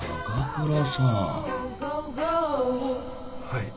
はい。